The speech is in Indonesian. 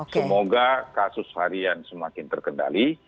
semoga kasus harian semakin terkendali